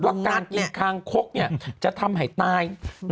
ว่าการกินคางคกจะทำให้ตาย